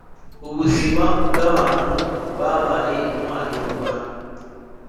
ubuzima bw'abantu babaye intwari mu rwanda